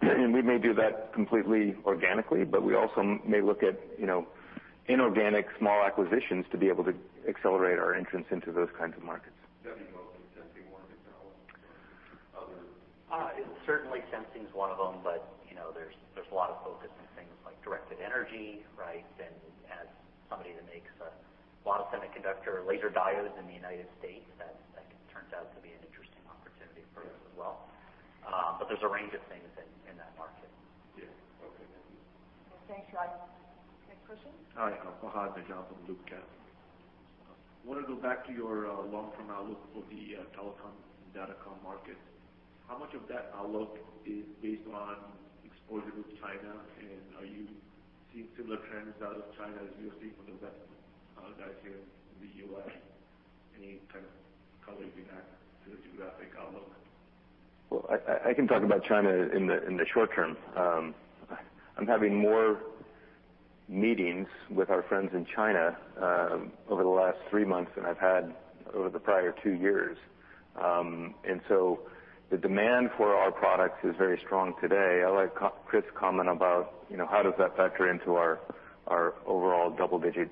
We may do that completely organically, but we also may look at, you know, inorganic small acquisitions to be able to accelerate our entrance into those kinds of markets. That'd be mostly sensing more than or other. Certainly, sensing is one of them, but you know, there's a lot of focus on things like directed energy, right? As somebody that makes a lot of semiconductor laser diodes in the United States, that turns out to be an interesting opportunity for us as well. There's a range of things in that market. Yeah. Okay, thank you. Thanks, Rod Hall. Next question. Hi. I'm Fahad Najam from Loop Capital. I wanna go back to your long-term outlook for the telecom and datacom market. How much of that outlook is based on exposure with China? And are you seeing similar trends out of China as you're seeing from the rest, guys here in the U.S.? Any kind of color you can add to the geographic outlook? Well, I can talk about China in the short term. I'm having more meetings with our friends in China over the last three months than I've had over the prior two years. The demand for our products is very strong today. I like Chris' comment about, you know, how does that factor into our overall double-digit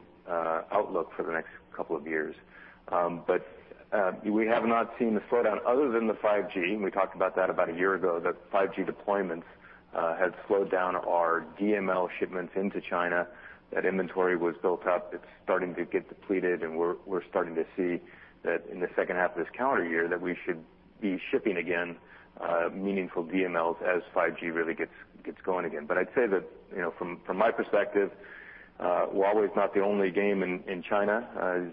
outlook for the next couple of years. We have not seen the slowdown other than the 5G. We talked about that about a year ago, that 5G deployments had slowed down our DML shipments into China. That inventory was built up. It's starting to get depleted, and we're starting to see that in the second half of this calendar year, that we should be shipping again meaningful DMLs as 5G really gets going again. I'd say that, you know, from my perspective, Huawei's not the only game in China.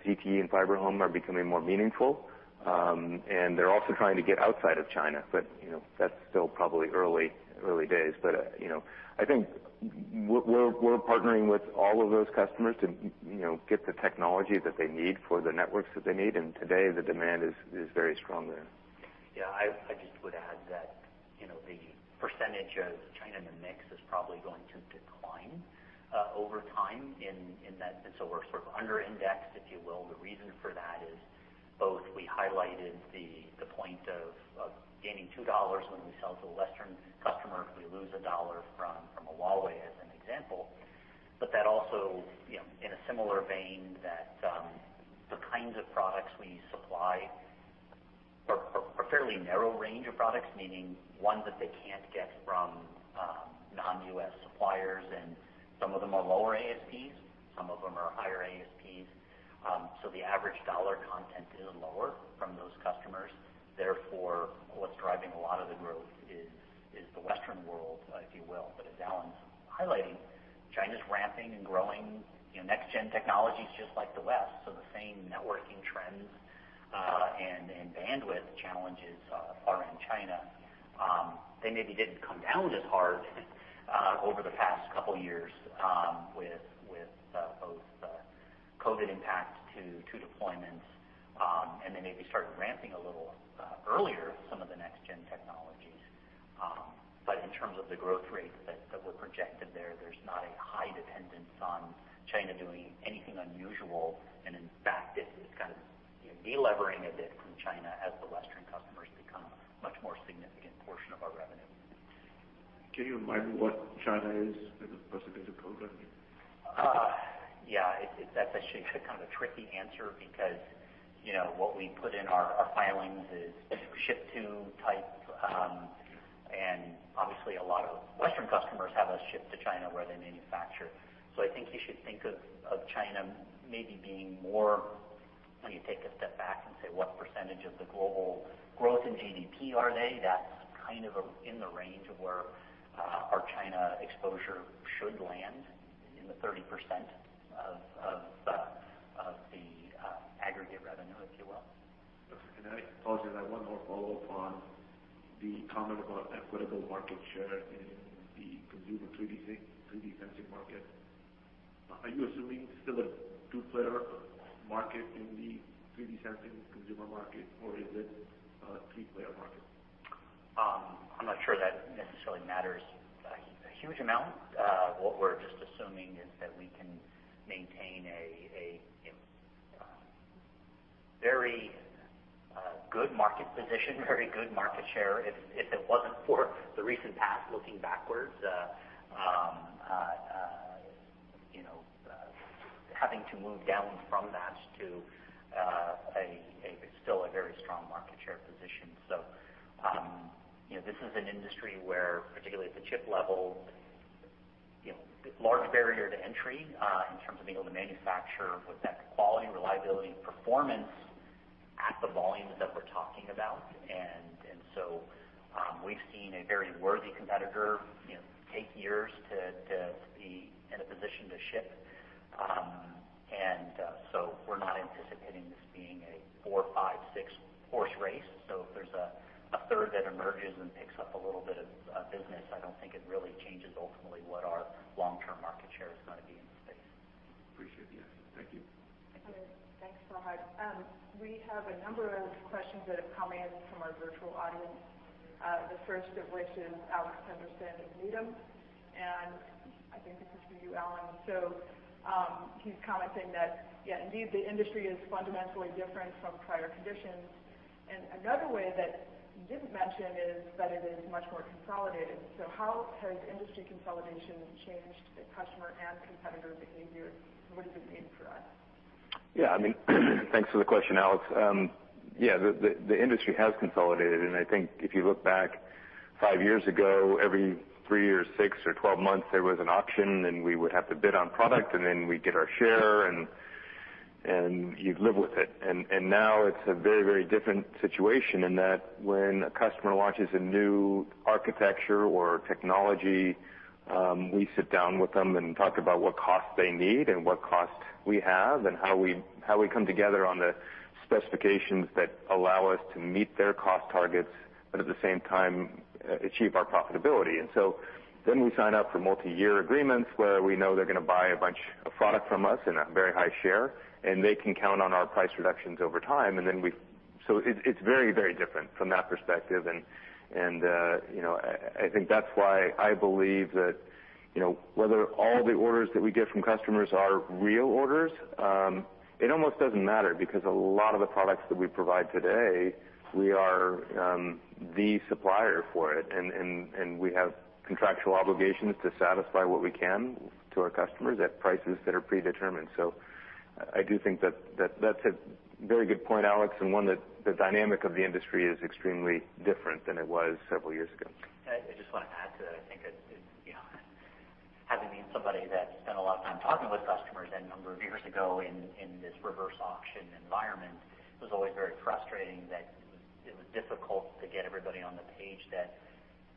ZTE and FiberHome are becoming more meaningful. They're also trying to get outside of China. You know, that's still probably early days. You know, I think we're partnering with all of those customers to, you know, get the technology that they need for the networks that they need. Today, the demand is very strong there. Yeah. I just would add that, you know, the percentage of China in the mix is probably going to decline over time in that. We're sort of under-indexed, if you will. The reason for that is both, we highlighted the point of gaining $2 when we sell to a Western customer, we lose a dollar from a Huawei as an example. That also, you know, in a similar vein that the kinds of products we supply are a fairly narrow range of products, meaning ones that they can't get from non-U.S. suppliers, and some of them are lower ASPs, some of them are higher ASPs. So, the average dollar content is lower from those customers. Therefore, what's driving a lot of the growth is the Western world, if you will. As Alan's highlighting, China's ramping and growing next gen technologies just like the West. The same networking trends and bandwidth challenges are in China. They maybe didn't come down as hard over the past couple of years with both the COVID impact to deployments, and they maybe started ramping a little earlier some of the next gen technologies. In terms of the growth rates that were projected there's not a high dependence on China doing anything unusual. In fact, it's kind of de-levering a bit from China as the Western customers become a much more significant portion of our revenue. Can you remind me what China is as a percentage of program? Yeah, that's actually a tricky answer because, you know, what we put in our filings is ship to type. Obviously, a lot of Western customers have us ship to China where they manufacture. I think you should think of China maybe being more when you take a step back and say, what percentage of the global growth in GDP are they? That's kind of in the range of where our China exposure should land in the 30% of the aggregate revenue, if you will. I apologize. I have one more follow-up on the comment about equitable market share in the consumer 3D sensing market. Are you assuming still a two-player market in the 3D sensing consumer market, or is it a three-player market? I'm not sure that necessarily matters a huge amount. What we're just assuming is that we can maintain a very good market position, very good market share if it wasn't for the recent past, looking backwards, you know, having to move down from that to a still very strong market share position. You know, this is an industry where, particularly at the chip level, you know, large barrier to entry in terms of being able to manufacture with that quality, reliability, and performance at the volumes that we're talking about. We've seen a very worthy competitor, you know, take years to be in a position to ship. We're not anticipating this being a four, five, six horse race. If there's a third that emerges and picks up a little bit of business, I don't think it really changes ultimately what our long-term market share is going to be in the space. Appreciate the answer. Thank you. Thanks, Fahad. We have a number of questions that have come in from our virtual audience, the first of which is Alex Henderson of Needham, and I think this is for you, Alan. He's commenting that indeed, the industry is fundamentally different from prior conditions. Another way that you didn't mention is that it is much more consolidated. How has industry consolidation changed the customer and competitor behavior, and what does it mean for us? Yeah, I mean, thanks for the question, Alex. Yeah, the industry has consolidated, and I think if you look back five years ago, every three or six or 12 months, there was an auction, and we would have to bid on product, and then we'd get our share and you'd live with it. Now it's a very different situation in that when a customer launches a new architecture or technology, we sit down with them and talk about what cost they need and what cost we have and how we come together on the specifications that allow us to meet their cost targets, but at the same time, achieve our profitability. We sign up for multi-year agreements where we know they're going to buy a bunch of product from us in a very high share, and they can count on our price reductions over time. It's very different from that perspective. You know, I think that's why I believe that, you know, whether all the orders that we get from customers are real orders, it almost doesn't matter because a lot of the products that we provide today, we are the supplier for it, and we have contractual obligations to satisfy what we can to our customers at prices that are predetermined. I do think that's a very good point, Alex, and one that the dynamic of the industry is extremely different than it was several years ago. I just want to add to that. I think, you know, having been somebody that spent a lot of time talking with customers a number of years ago in this reverse auction environment, it was always very frustrating that it was difficult to get everybody on the page that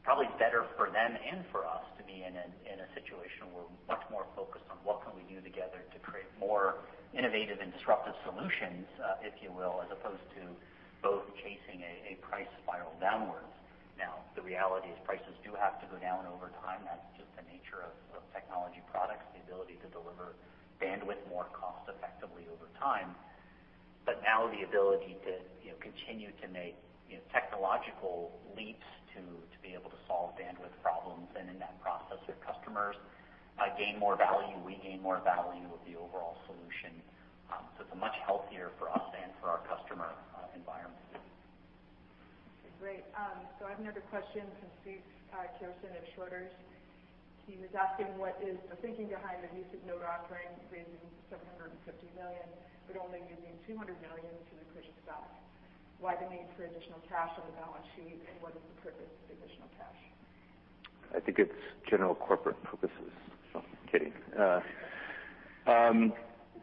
probably better for them and for us to be in a situation where we're much more focused on what can we do together to create more innovative and disruptive solutions, if you will, as opposed to both chasing a price spiral downwards. Now, the reality is prices do have to go down over time. That's just the nature of technology products, the ability to deliver bandwidth more cost effectively over time. Now the ability to, you know, continue to make, you know, technological leaps to be able to solve bandwidth problems. In that process, their customers gain more value, we gain more value with the overall solution. It's a much healthier for us and for our customer environment. I have another question from Samik Chatterjee at JPMorgan. He was asking, what is the thinking behind the recent note offering, raising $750 million, but only using $200 million to repurchase stock? Why the need for additional cash on the balance sheet, and what is the purpose of the additional cash? I think it's general corporate purposes. No, I'm kidding.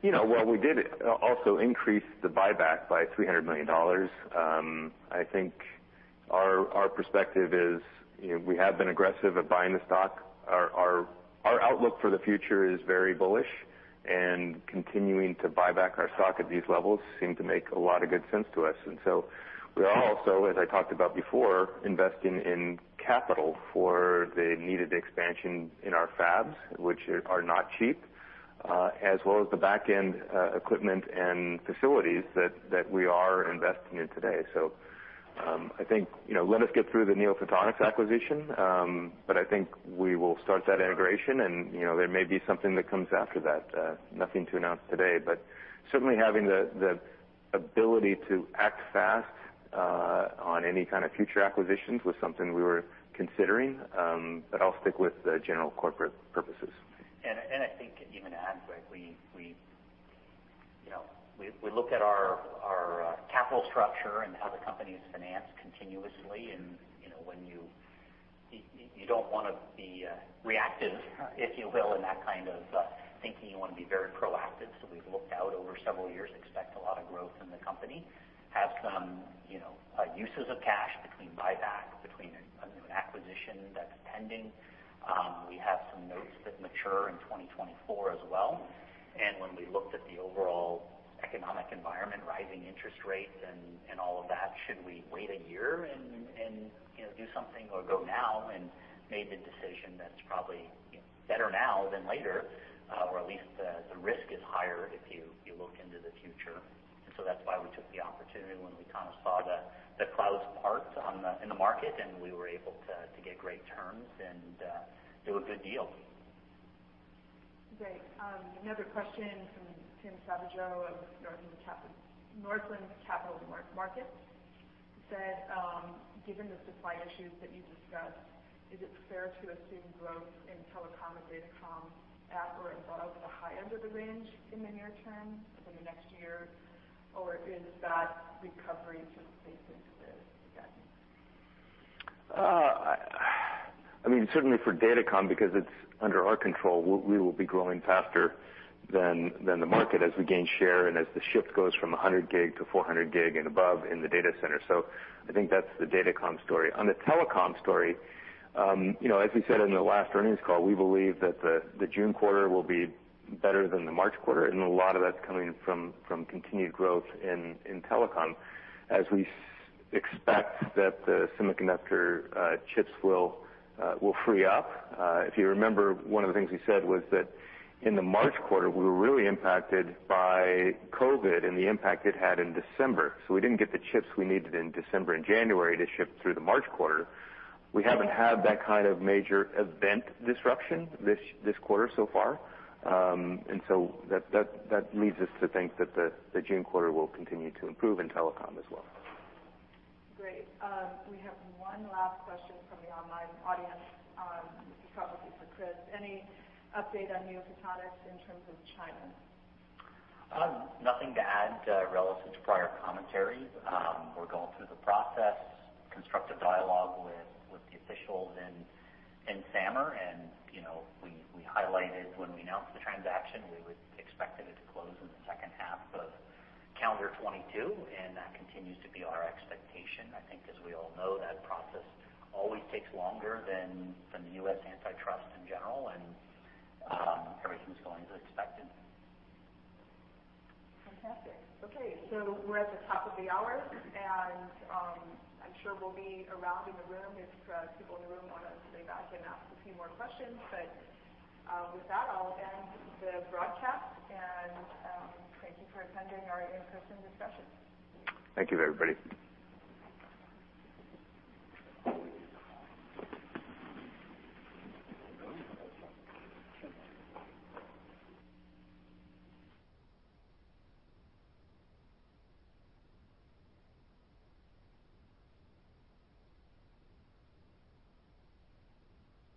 You know, well, we did also increase the buyback by $300 million. I think our perspective is, you know, we have been aggressive at buying the stock. Our outlook for the future is very bullish and continuing to buy back our stock at these levels seem to make a lot of good sense to us. We are also, as I talked about before, investing in capital for the needed expansion in our fabs, which are not cheap, as well as the back-end equipment and facilities that we are investing in today. I think, you know, let us get through the NeoPhotonics acquisition, but I think we will start that integration and, you know, there may be something that comes after that. Nothing to announce today, certainly having the ability to act fast on any kind of future acquisitions was something we were considering, but I'll stick with the general corporate purposes. I think even add, Greg, we you know we look at our capital structure and how the company is financed continuously. You know, when you don't wanna be reactive, if you will, in that kind of thinking. You wanna be very proactive. We've looked out over several years, expect a lot of growth in the company, have some you know uses of cash between buyback, between a new acquisition that's pending. We have some notes that mature in 2024 as well. When we looked at the overall economic environment, rising interest rates and all of that, should we wait a year and, you know, do something or go now and made the decision that it's probably better now than later, or at least the risk is higher if you look into the future. That's why we took the opportunity when we kind of saw the clouds part in the market, and we were able to get great terms and do a good deal. Great. Another question from Tim Savageaux of Northland Capital Markets. He said, given the supply issues that you discussed, is it fair to assume growth in telecom and datacom at or above the high end of the range in the near term, say the next year? Or is that recovery just baked into this again? I mean, certainly for datacom, because it's under our control, we will be growing faster than the market as we gain share and as the shift goes from 100 gig to 400 gig and above in the data center. I think that's the datacom story. On the telecom story, you know, as we said in the last earnings call, we believe that the June quarter will be better than the March quarter, and a lot of that's coming from continued growth in telecom as we expect that the semiconductor chips will free up. If you remember, one of the things we said was that in the March quarter, we were really impacted by COVID and the impact it had in December. We didn't get the chips we needed in December and January to ship through the March quarter. We haven't had that kind of major event disruption this quarter so far. That leads us to think that the June quarter will continue to improve in telecom as well. Great. We have one last question from the online audience. This is probably for Chris. Any update on NeoPhotonics in terms of China? Nothing to add relative to prior commentary. We're going through the process, constructive dialogue with the officials in SAMR. You know, we highlighted when we announced the transaction, we would expect it to close in the second half of calendar 2022, and that continues to be our expectation. I think as we all know, that process always takes longer than the U.S. antitrust in general, and everything's going as expected. Fantastic. Okay, we're at the top of the hour, and I'm sure we'll be around in the room if people in the room wanna stay back and ask a few more questions. With that, I'll end the broadcast. Thank you for attending our in-person discussion. Thank you, everybody.